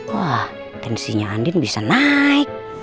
wah tensinya andin bisa naik